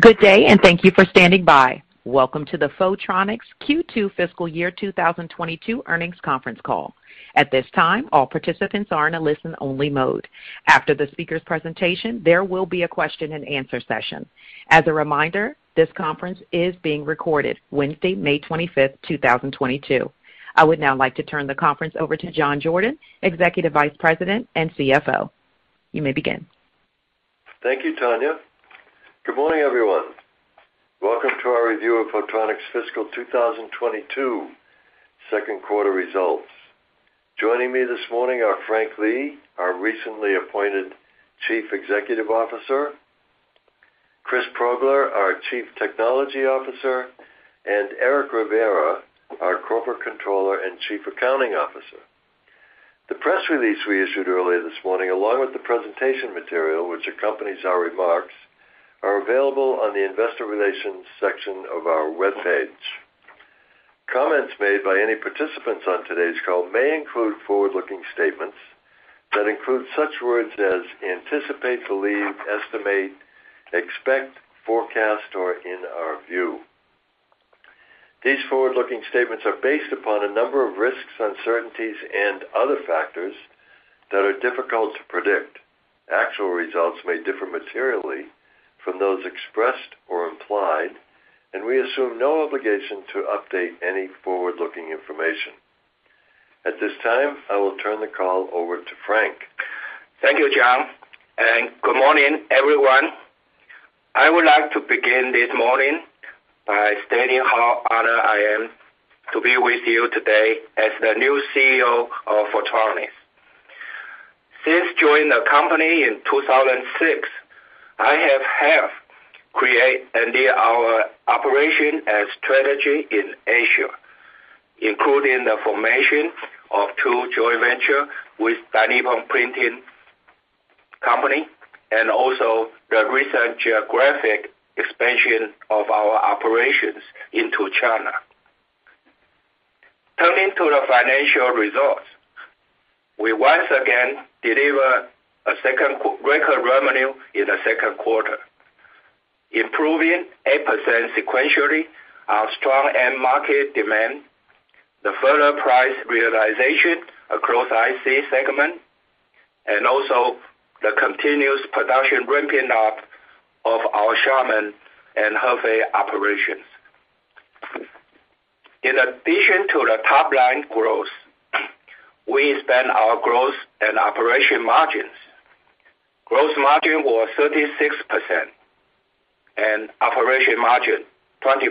Good day, and thank you for standing by. Welcome to the Photronics Q2 fiscal year 2022 earnings conference call. At this time, all participants are in a listen-only mode. After the speaker's presentation, there will be a question-and-answer session. As a reminder, this conference is being recorded Wednesday, May 25th, 2022. I would now like to turn the conference over to John Jordan, Executive Vice President and CFO. You may begin. Thank you, Tanya. Good morning, everyone. Welcome to our review of Photronics fiscal 2022 second quarter results. Joining me this morning are Frank Lee, our recently appointed Chief Executive Officer, Chris Progler, our Chief Technology Officer, and Eric Rivera, our Corporate Controller and Chief Accounting Officer. The press release we issued earlier this morning, along with the presentation material which accompanies our remarks, are available on the investor relations section of our webpage. Comments made by any participants on today's call may include forward-looking statements that include such words as anticipate, believe, estimate, expect, forecast, or in our view. These forward-looking statements are based upon a number of risks, uncertainties, and other factors that are difficult to predict. Actual results may differ materially from those expressed or implied, and we assume no obligation to update any forward-looking information. At this time, I will turn the call over to Frank. Thank you, John, and good morning, everyone. I would like to begin this morning by stating how honored I am to be with you today as the new CEO of Photronics. Since joining the company in 2006, I have helped create and lead our operation and strategy in Asia, including the formation of two joint ventures with Dai Nippon Printing and also the recent geographic expansion of our operations into China. Turning to the financial results, we once again deliver a second record revenue in the second quarter, improving 8% sequentially due to our strong end market demand, the further price realization across IC segment, and also the continuous production ramping up of our Xiamen and Hefei operations. In addition to the top-line growth, we expand our growth and operating margins. Gross margin was 36% and operating margin 25%.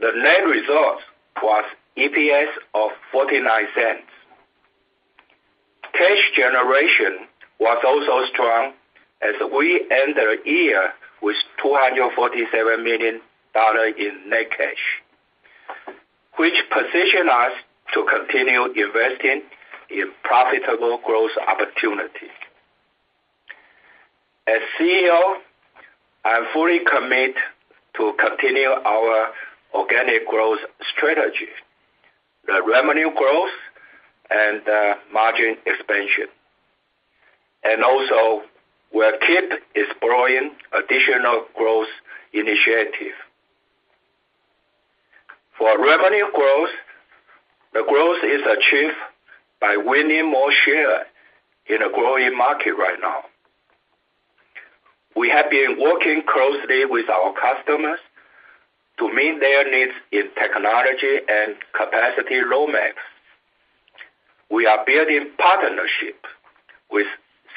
The net results was EPS of $0.49. Cash generation was also strong as we end the year with $247 million in net cash, which position us to continue investing in profitable growth opportunity. As CEO, I fully commit to continue our organic growth strategy, the revenue growth, and, margin expansion, and also we'll keep exploring additional growth initiative. For revenue growth, the growth is achieved by winning more share in a growing market right now. We have been working closely with our customers to meet their needs in technology and capacity roadmaps. We are building partnership with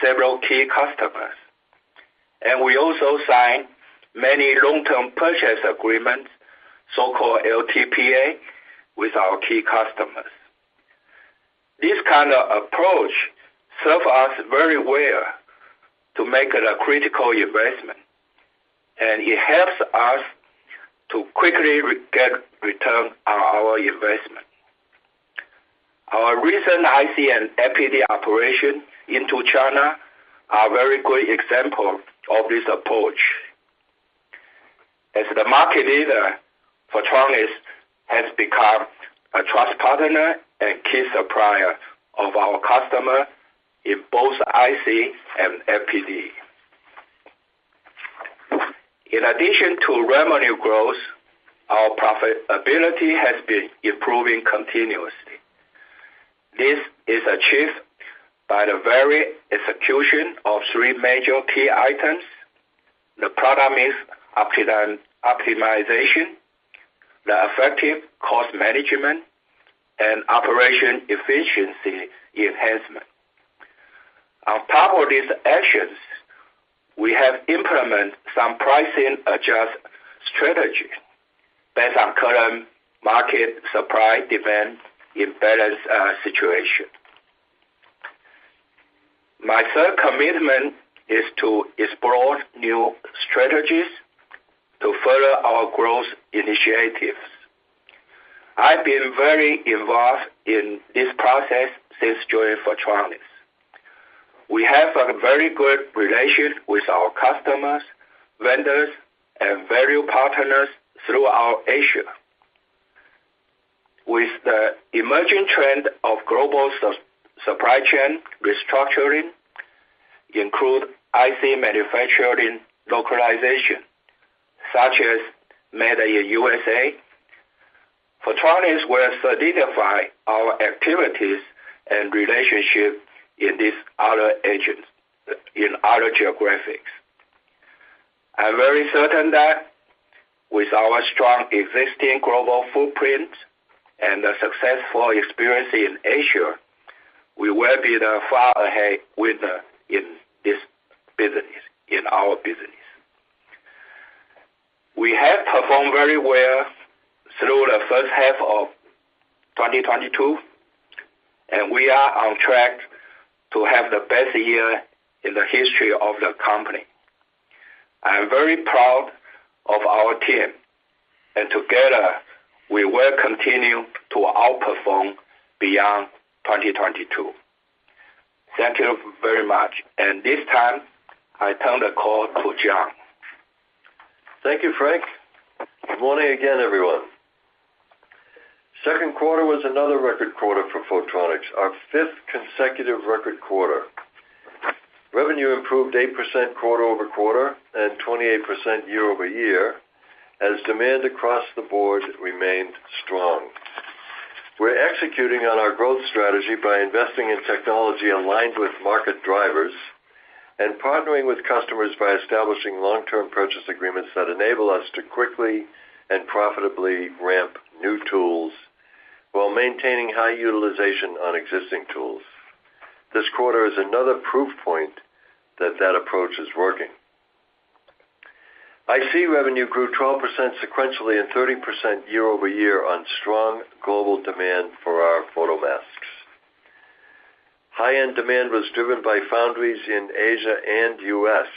several key customers, and we also sign many long-term purchase agreements, so-called LTPA, with our key customers. This kind of approach serve us very well to make the critical investment, and it helps us to quickly get return on our investment. Our recent IC and FPD operations in China are a very good example of this approach. As the market leader, Photronics has become a trusted partner and key supplier to our customers in both IC and FPD. In addition to revenue growth, our profitability has been improving continuously. This is achieved by the very execution of three major key items. The product mix optimization, the effective cost management, and operational efficiency enhancement. On top of these actions, we have implemented some pricing adjustment strategy based on current market supply-demand imbalance situation. My third commitment is to explore new strategies to further our growth initiatives. I've been very involved in this process since joining Photronics. We have a very good relationship with our customers, vendors, and value partners throughout Asia. With the emerging trend of global supply chain restructuring including IC manufacturing localization, such as made in U.S.A., Photronics will solidify our activities and relationship in these other regions, in other geographies. I'm very certain that with our strong existing global footprint and the successful experience in Asia, we will be the far ahead winner in this business, in our business. We have performed very well through the first half of 2022, and we are on track to have the best year in the history of the company. I am very proud of our team, and together, we will continue to outperform beyond 2022. Thank you very much. This time, I turn the call to John. Thank you, Frank. Good morning again, everyone. Second quarter was another record quarter for Photronics, our fifth consecutive record quarter. Revenue improved 8% quarter-over-quarter and 28% year-over-year as demand across the board remained strong. We're executing on our growth strategy by investing in technology aligned with market drivers and partnering with customers by establishing long-term purchase agreements that enable us to quickly and profitably ramp new tools while maintaining high utilization on existing tools. This quarter is another proof point that that approach is working. IC revenue grew 12% sequentially and 30% year-over-year on strong global demand for our photomasks. High-end demand was driven by foundries in Asia and U.S.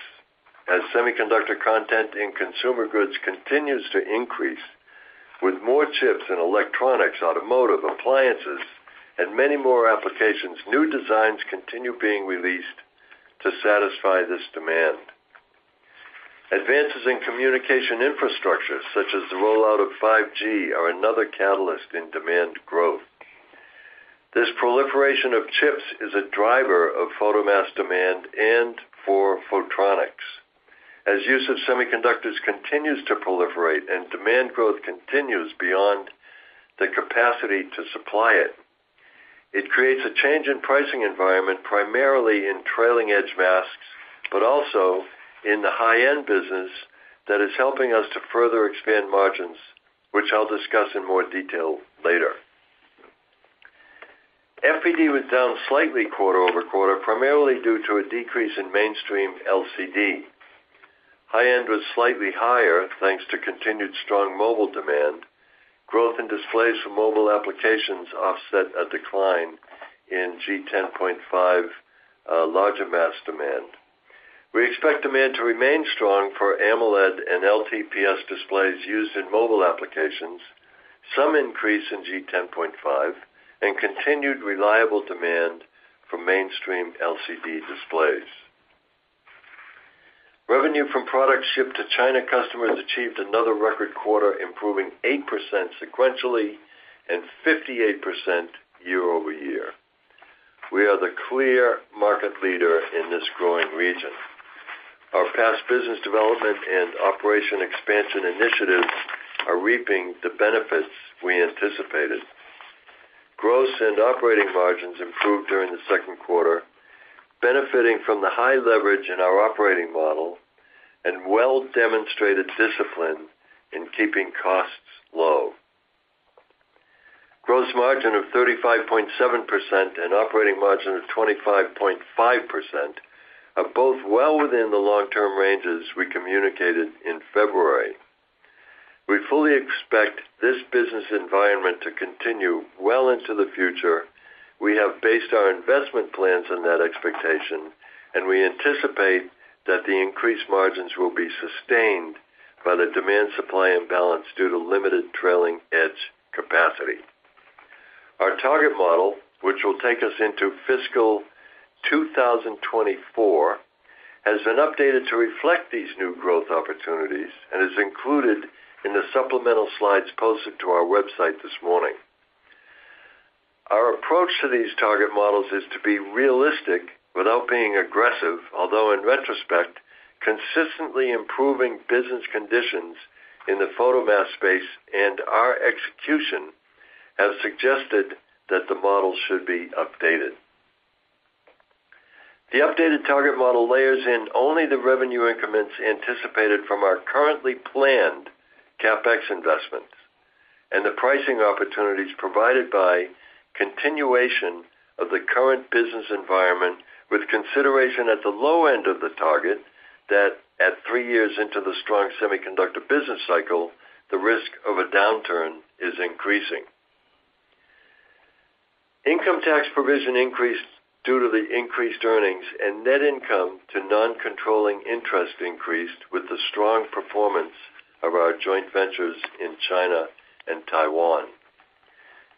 as semiconductor content in consumer goods continues to increase. With more chips in electronics, automotive, appliances, and many more applications, new designs continue being released to satisfy this demand. Advances in communication infrastructure, such as the rollout of 5G, are another catalyst in demand growth. This proliferation of chips is a driver of photomask demand and for Photronics. As use of semiconductors continues to proliferate and demand growth continues beyond the capacity to supply it creates a change in pricing environment, primarily in trailing-edge masks, but also in the high-end business that is helping us to further expand margins, which I'll discuss in more detail later. FPD was down slightly quarter-over-quarter, primarily due to a decrease in mainstream LCD. High end was slightly higher, thanks to continued strong mobile demand. Growth in displays for mobile applications offset a decline in G10.5 larger masks demand. We expect demand to remain strong for AMOLED and LTPS displays used in mobile applications, some increase in G10.5, and continued reliable demand for mainstream LCD displays. Revenue from products shipped to China customers achieved another record quarter, improving 8% sequentially and 58% year-over-year. We are the clear market leader in this growing region. Our past business development and operation expansion initiatives are reaping the benefits we anticipated. Gross and operating margins improved during the second quarter, benefiting from the high leverage in our operating model and well-demonstrated discipline in keeping costs low. Gross margin of 35.7% and operating margin of 25.5% are both well within the long-term ranges we communicated in February. We fully expect this business environment to continue well into the future. We have based our investment plans on that expectation, and we anticipate that the increased margins will be sustained by the demand-supply imbalance due to limited trailing-edge capacity. Our target model, which will take us into fiscal 2024, has been updated to reflect these new growth opportunities and is included in the supplemental slides posted to our website this morning. Our approach to these target models is to be realistic without being aggressive, although in retrospect, consistently improving business conditions in the photomask space and our execution have suggested that the model should be updated. The updated target model layers in only the revenue increments anticipated from our currently planned CapEx investments and the pricing opportunities provided by continuation of the current business environment with consideration at the low end of the target that at three years into the strong semiconductor business cycle, the risk of a downturn is increasing. Income tax provision increased due to the increased earnings, and net income to non-controlling interest increased with the strong performance of our joint ventures in China and Taiwan.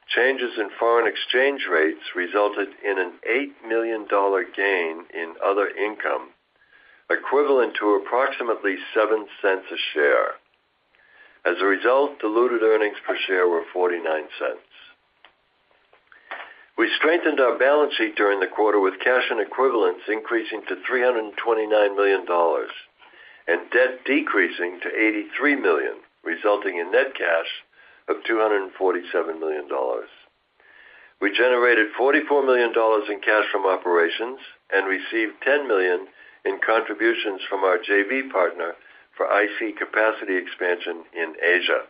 Changes in foreign exchange rates resulted in an $8 million gain in other income. Equivalent to approximately $0.07 a share. As a result, diluted earnings per share were $0.49. We strengthened our balance sheet during the quarter, with cash and equivalents increasing to $329 million and debt decreasing to $83 million, resulting in net cash of $247 million. We generated $44 million in cash from operations and received $10 million in contributions from our JV partner for IC capacity expansion in Asia.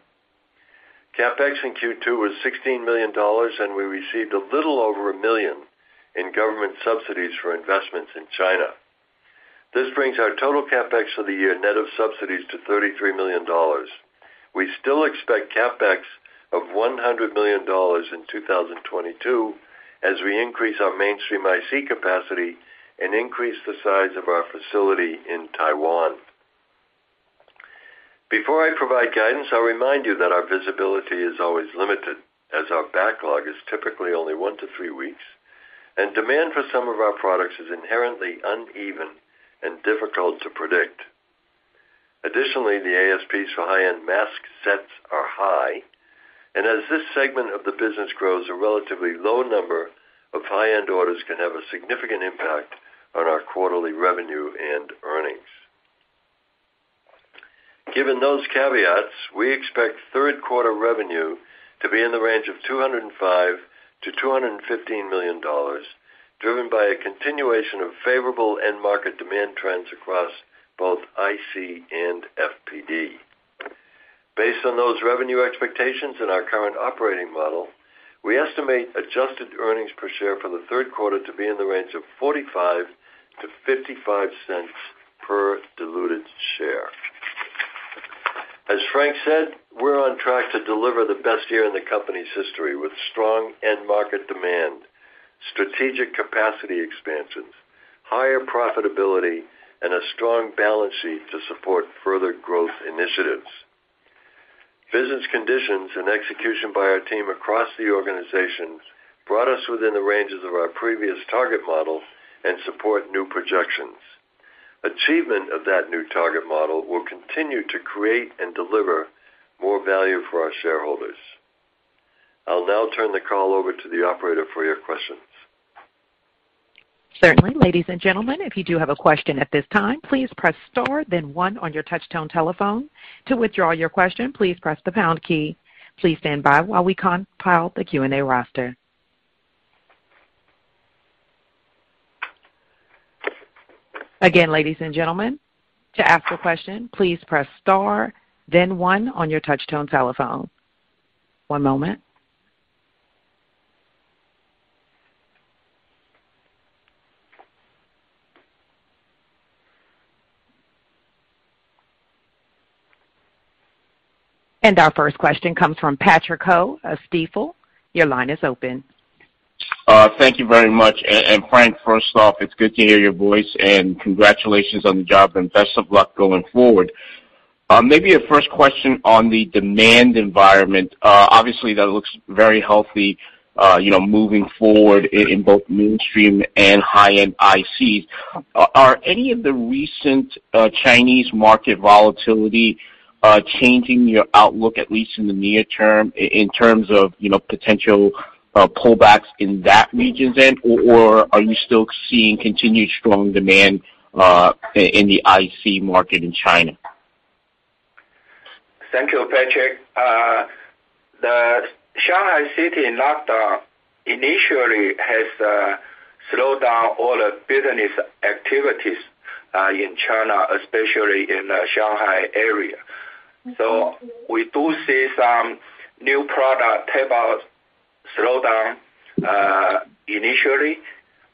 CapEx in Q2 was $16 million, and we received a little over $1 million in government subsidies for investments in China. This brings our total CapEx for the year net of subsidies to $33 million. We still expect CapEx of $100 million in 2022 as we increase our mainstream IC capacity and increase the size of our facility in Taiwan. Before I provide guidance, I'll remind you that our visibility is always limited, as our backlog is typically only one to three weeks, and demand for some of our products is inherently uneven and difficult to predict. Additionally, the ASPs for high-end mask sets are high, and as this segment of the business grows, a relatively low number of high-end orders can have a significant impact on our quarterly revenue and earnings. Given those caveats, we expect third quarter revenue to be in the range of $205 million-$215 million, driven by a continuation of favorable end market demand trends across both IC and FPD. Based on those revenue expectations and our current operating model, we estimate adjusted earnings per share for the third quarter to be in the range of $0.45-$0.55 per diluted share. As Frank said, we're on track to deliver the best year in the company's history, with strong end market demand, strategic capacity expansions, higher profitability, and a strong balance sheet to support further growth initiatives. Business conditions and execution by our team across the organizations brought us within the ranges of our previous target models and support new projections. Achievement of that new target model will continue to create and deliver more value for our shareholders. I'll now turn the call over to the operator for your questions. Certainly. Ladies and gentlemen, if you do have a question at this time, please press star, then one on your touchtone telephone. To withdraw your question, please press the pound key. Please stand by while we compile the Q&A roster. Again, ladies and gentlemen, to ask a question, please press star, then one on your touchtone telephone. One moment. Our first question comes from Patrick Ho of Stifel. Your line is open. Thank you very much. Frank, first off, it's good to hear your voice, and congratulations on the job, and best of luck going forward. Maybe a first question on the demand environment. Obviously, that looks very healthy, you know, moving forward in both mainstream and high-end ICs. Are any of the recent Chinese market volatility changing your outlook, at least in the near term, in terms of, you know, potential pullbacks in that region then, or are you still seeing continued strong demand in the IC market in China? Thank you, Patrick. The Shanghai city lockdown initially has slowed down all the business activities in China, especially in the Shanghai area. We do see some new product tape out slowdown initially.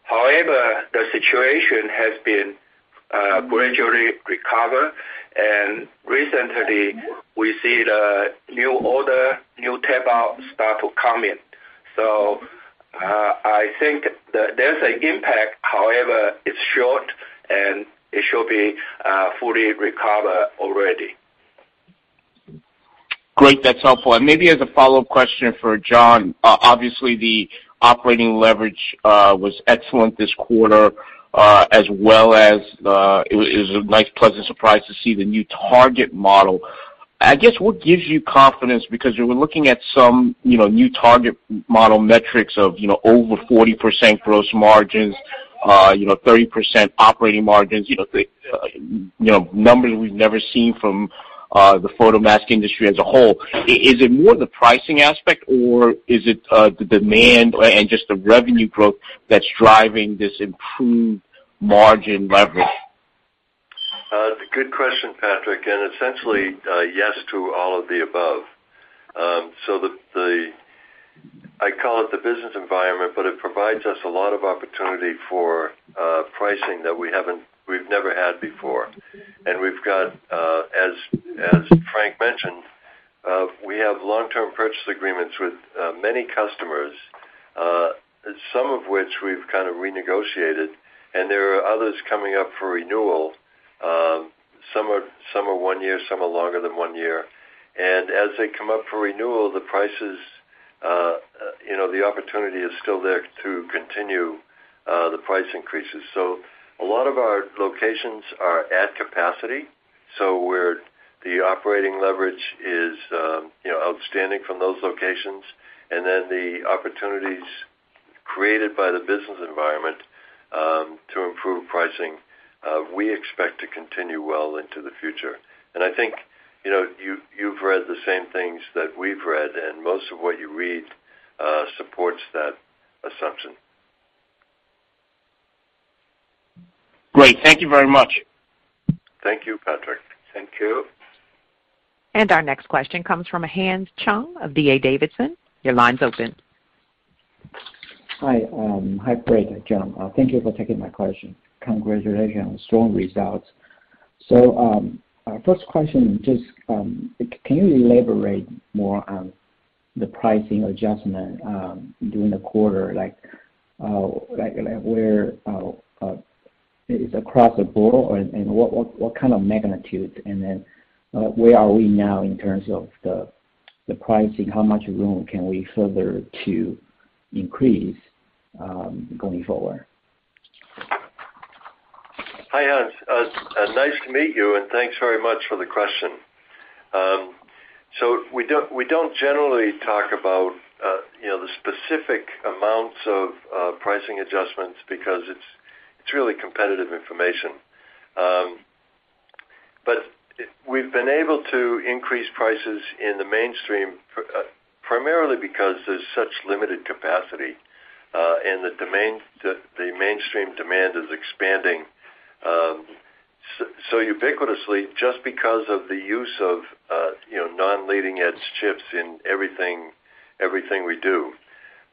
However, the situation has been gradually recover, and recently we see the new order, new tape out start to come in. I think there's an impact. However, it's short, and it should be fully recover already. Great. That's helpful. Maybe as a follow-up question for John. Obviously, the operating leverage was excellent this quarter, as well as it was a nice, pleasant surprise to see the new target model. I guess, what gives you confidence, because you were looking at some, you know, new target model metrics of, you know, over 40% gross margins, you know, 30% operating margins, you know, numbers we've never seen from the photomask industry as a whole. Is it more the pricing aspect, or is it the demand or, and just the revenue growth that's driving this improved margin leverage? It's a good question, Patrick, and essentially, yes to all of the above. So I call it the business environment, but it provides us a lot of opportunity for pricing that we've never had before. We've got, as Frank mentioned, we have long-term purchase agreements with many customers, some of which we've kind of renegotiated, and there are others coming up for renewal. Some are one year, some are longer than one year. As they come up for renewal, the prices, you know, the opportunity is still there to continue the price increases. A lot of our locations are at capacity, so the operating leverage is, you know, outstanding from those locations. then the opportunities created by the business environment, to improve pricing, we expect to continue well into the future. I think, you know, you've read the same things that we've read, and most of what you read, supports that assumption. Great. Thank you very much. Thank you, Patrick. Thank you. Our next question comes from Hans Chung of D.A. Davidson. Your line's open. Hi. Hi, Frank Lee and John. Thank you for taking my question. Congratulations on strong results. First question, just, can you elaborate more on the pricing adjustment during the quarter? Like where is it across the board? Or and what kind of magnitude? And then, where are we now in terms of the pricing? How much room can we further to increase going forward? Hi, Hans. Nice to meet you, and thanks very much for the question. We don't generally talk about, you know, the specific amounts of, pricing adjustments because it's really competitive information. We've been able to increase prices in the mainstream, primarily because there's such limited capacity, and the mainstream demand is expanding, so ubiquitously just because of the use of, you know, non-leading edge chips in everything we do.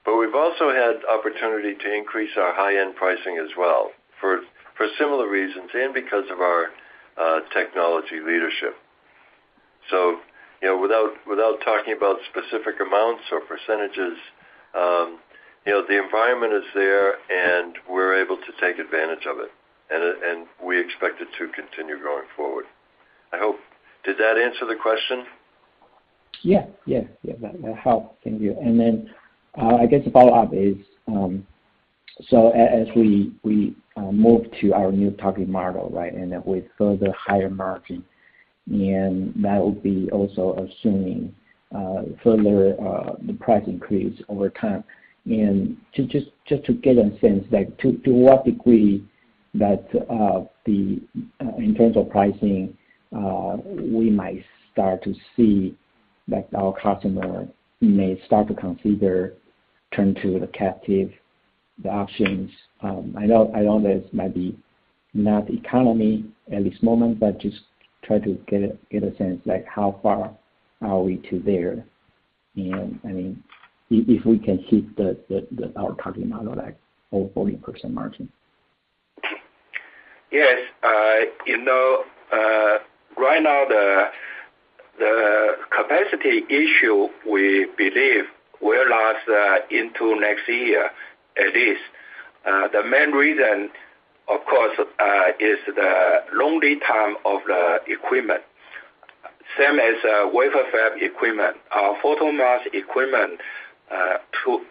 We've also had opportunity to increase our high-end pricing as well for similar reasons and because of our technology leadership. You know, without talking about specific amounts or percentages, you know, the environment is there, and we're able to take advantage of it, and we expect it to continue going forward. I hope. Did that answer the question? Yeah. That helped. Thank you. Then, I guess a follow-up is, so as we move to our new target model, right? Then with further higher margin, and that would be also assuming, the price increase over time. To just to get a sense, like to what degree that, the, in terms of pricing, we might start to see that our customer may start to consider turn to the captive, the options. I know this might be not economical at this moment, but just try to get a sense like how far are we to there? I mean, if we can hit the our target model, like over 40% margin. Yes. You know, right now the capacity issue we believe will last into next year at least. The main reason, of course, is the long lead time of the equipment. Same as wafer fab equipment. Our photomask equipment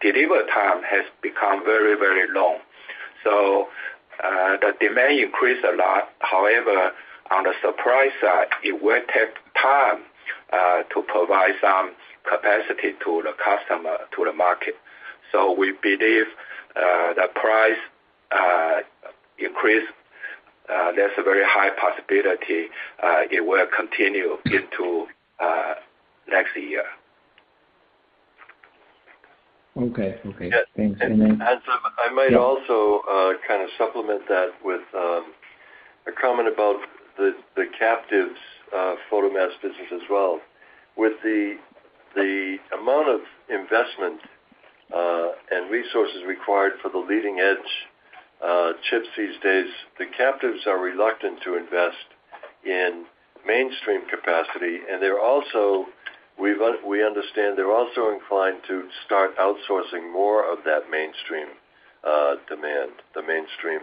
delivery time has become very, very long. The demand increased a lot. However, on the supply side, it will take time to provide some capacity to the customer, to the market. We believe the price increase, there's a very high possibility it will continue into next year. Okay. Okay. Yes. Thanks. Hans, I might also kind of supplement that with a comment about the captives photomask business as well. With the amount of investment and resources required for the leading edge chips these days, the captives are reluctant to invest in mainstream capacity. We understand they're also inclined to start outsourcing more of that mainstream demand, the mainstream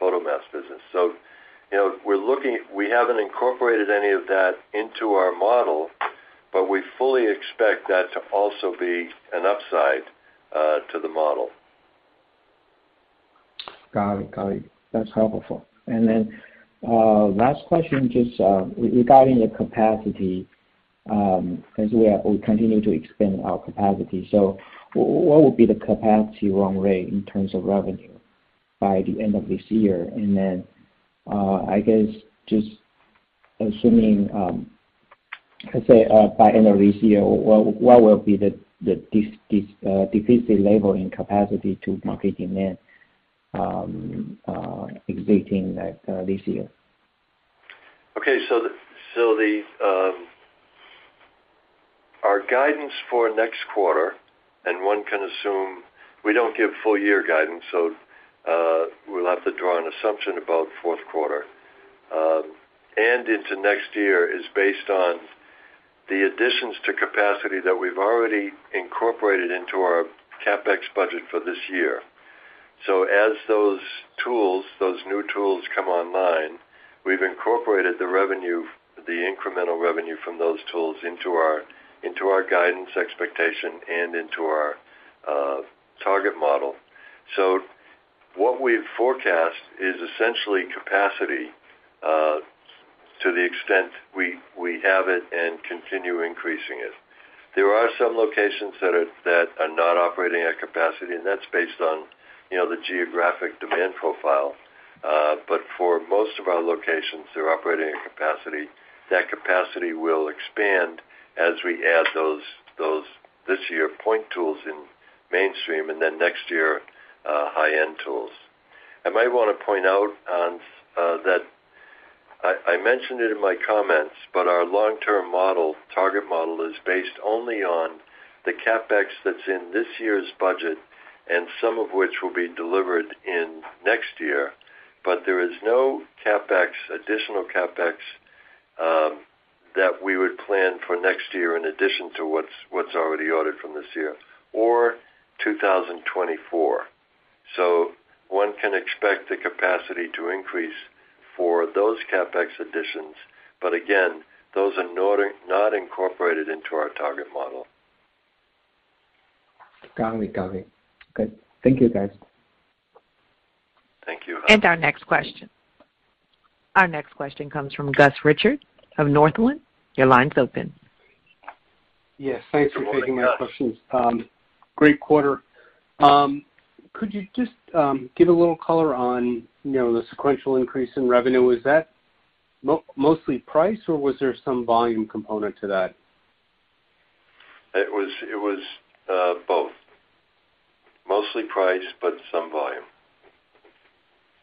photomask business. You know, we haven't incorporated any of that into our model, but we fully expect that to also be an upside to the model. Got it. That's helpful. Last question, just regarding the capacity, as we continue to expand our capacity. What would be the capacity run rate in terms of revenue by the end of this year? I guess just assuming, let's say, by end of this year, what will be the deficit level in capacity to market demand, existing like this year? Okay. Our guidance for next quarter, and one can assume we don't give full year guidance, so we'll have to draw an assumption about fourth quarter and into next year is based on the additions to capacity that we've already incorporated into our CapEx budget for this year. As those new tools come online, we've incorporated the incremental revenue from those tools into our guidance expectation and into our target model. What we've forecast is essentially capacity to the extent we have it and continue increasing it. There are some locations that are not operating at capacity, and that's based on you know, the geographic demand profile. For most of our locations, they're operating at capacity. That capacity will expand as we add those this year point tools in mainstream and then next year, high-end tools. I might wanna point out, Hans, that I mentioned it in my comments, but our long-term model, target model is based only on the CapEx that's in this year's budget and some of which will be delivered in next year, but there is no CapEx, additional CapEx, that we would plan for next year in addition to what's already ordered from this year or 2024. One can expect the capacity to increase for those CapEx additions, but again, those are not incorporated into our target model. Got it. Good. Thank you, guys. Thank you, Hans. Our next question comes from Gus Richard of Northland. Your line's open. Good morning, Gus. Yes, thanks for taking my questions. Great quarter. Could you just give a little color on, you know, the sequential increase in revenue? Is that mostly price, or was there some volume component to that? It was both. Mostly price, but some volume.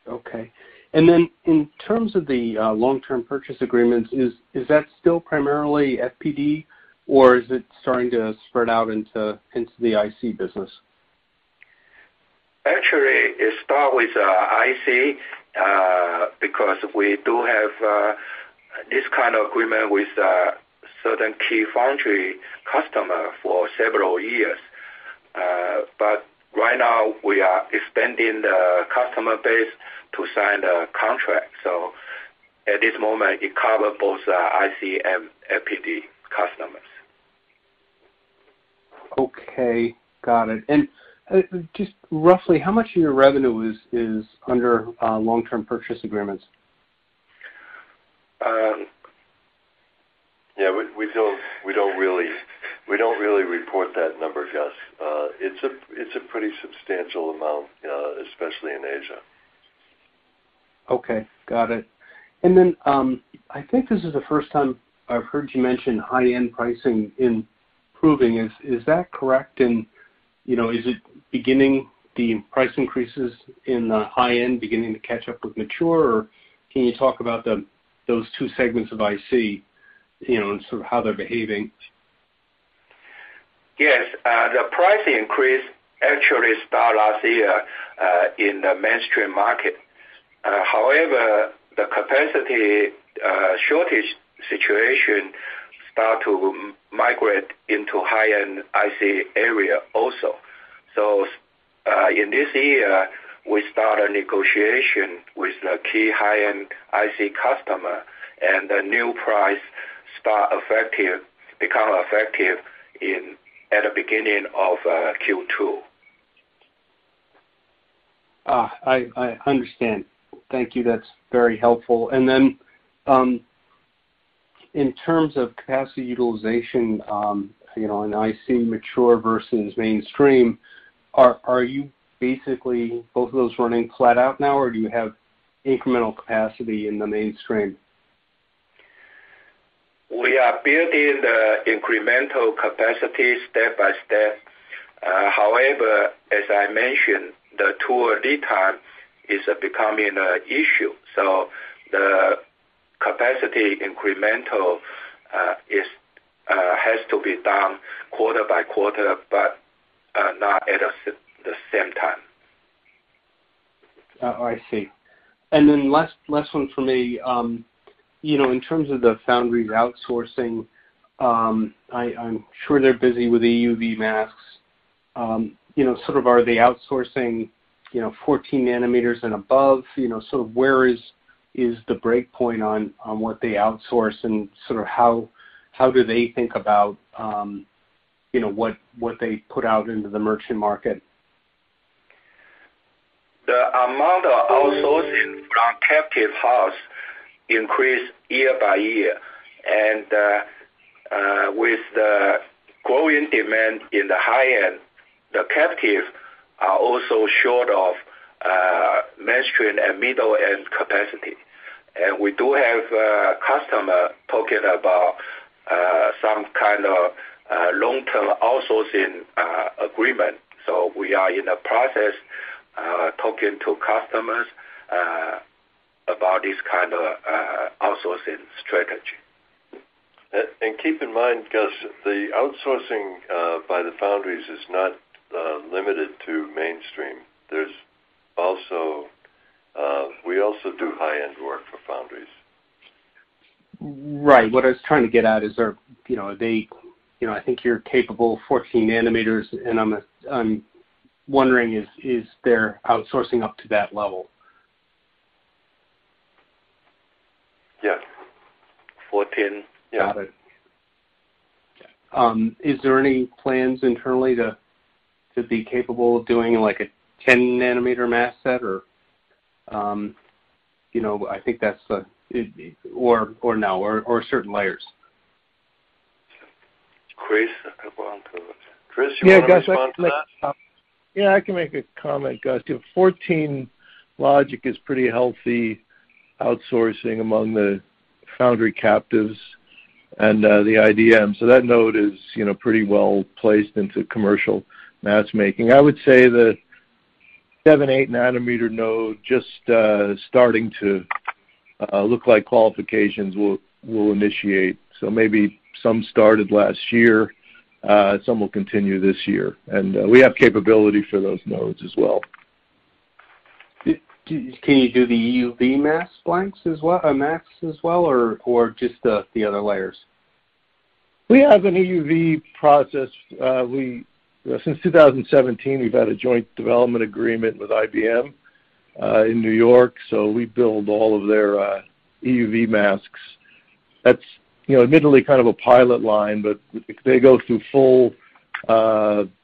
Okay. In terms of the long-term purchase agreements, is that still primarily FPD, or is it starting to spread out into the IC business? Actually, it start with IC because we do have this kind of agreement with certain key foundry customer for several years. Right now we are expanding the customer base to sign the contract. At this moment, it cover both IC and FPD customers. Okay. Got it. Just roughly how much of your revenue is under long-term purchase agreements? Yeah, we don't really report that number, Gus. It's a pretty substantial amount, especially in Asia. Okay. Got it. I think this is the first time I've heard you mention high-end pricing improving. Is that correct? You know, is it beginning the price increases in the high end to catch up with mature? Can you talk about those two segments of IC, you know, and sort of how they're behaving? Yes. The price increase actually start last year in the mainstream market. However, the capacity shortage situation start to migrate into high-end IC area also. In this year, we start a negotiation with a key high-end IC customer, and the new price become effective at the beginning of Q2. I understand. Thank you. That's very helpful. In terms of capacity utilization, you know, in IC mature versus mainstream, are you basically both of those running flat out now, or do you have incremental capacity in the mainstream? We are building the incremental capacity step by step. However, as I mentioned, the tool lead time is becoming an issue, so the incremental capacity has to be done quarter by quarter, but not at the same time. Oh, I see. Then last one from me. You know, in terms of the foundry outsourcing, I'm sure they're busy with EUV masks. You know, sort of are they outsourcing, you know, 14 nanometers and above? You know, sort of where is the break point on what they outsource and sort of how do they think about, you know, what they put out into the merchant market? The amount of outsourcing from captive house increase year by year. With the growing demand in the high end, the captive are also short of mainstream and middle-end capacity. We do have a customer talking about some kind of long-term outsourcing agreement. We are in the process talking to customers about this kind of outsourcing strategy. Keep in mind, Gus, the outsourcing by the foundries is not limited to mainstream. There's also, we also do high-end work for foundries. Right. What I was trying to get at is there, you know, are they, you know, I think you're capable 14 nanometers and I'm wondering is there outsourcing up to that level? Yes. 14. Got it. Is there any plans internally to be capable of doing, like, a 10 nanometer mask set or, you know, I think that's the or now or certain layers? Chris, do you want to respond to that? Yeah, Gus, I can make a comment. 14 logic is pretty healthy outsourcing among the foundry captives and the IDM. That node is, you know, pretty well placed into commercial mask making. I would say the 7, 8 nanometer node just starting to look like qualifications will initiate. Maybe some started last year, some will continue this year. We have capability for those nodes as well. Can you do the EUV masks as well or just the other layers? We have an EUV process. Since 2017, we've had a joint development agreement with IBM in New York, so we build all of their EUV masks. That's, you know, admittedly kind of a pilot line, but they go through full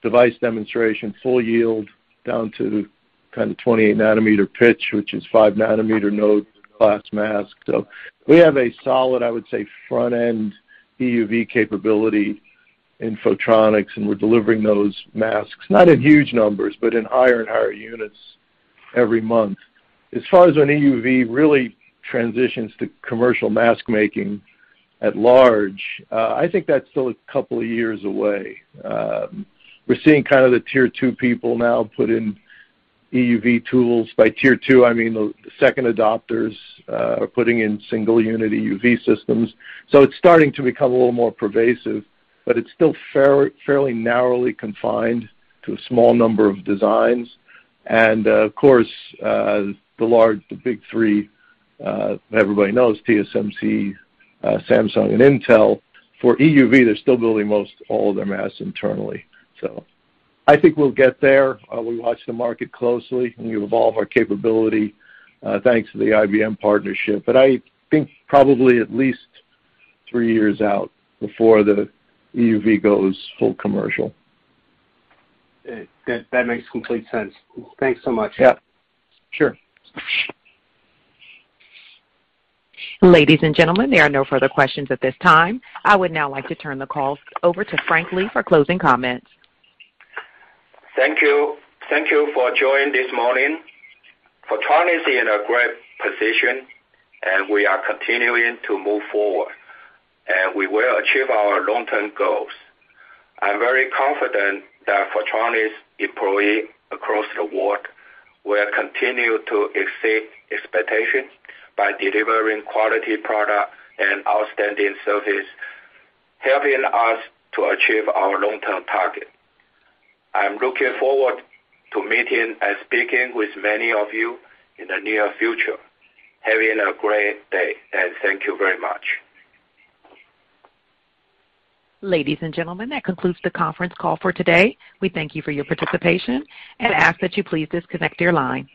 device demonstration, full yield, down to kind of 28-nanometer pitch, which is 5-nanometer node class mask. So we have a solid, I would say, front end EUV capability in Photronics, and we're delivering those masks, not in huge numbers, but in higher and higher units every month. As far as when EUV really transitions to commercial mask making at large, I think that's still a couple of years away. We're seeing kind of the tier two people now put in EUV tools. By tier 2, I mean, the second adopters are putting in single unit EUV systems. It's starting to become a little more pervasive, but it's still fairly narrowly confined to a small number of designs. Of course, the big three, everybody knows TSMC, Samsung and Intel. For EUV, they're still building most all of their masks internally. I think we'll get there. We watch the market closely, and we evolve our capability, thanks to the IBM partnership. I think probably at least three years out before the EUV goes full commercial. That makes complete sense. Thanks so much. Yeah. Sure. Ladies and gentlemen, there are no further questions at this time. I would now like to turn the call over to Frank Lee for closing comments. Thank you. Thank you for joining this morning. Photronics is in a great position, and we are continuing to move forward, and we will achieve our long-term goals. I'm very confident that Photronics employees across the world will continue to exceed expectations by delivering quality products and outstanding service, helping us to achieve our long-term target. I'm looking forward to meeting and speaking with many of you in the near future. Have a great day, and thank you very much. Ladies and gentlemen, that concludes the conference call for today. We thank you for your participation and ask that you please disconnect your line.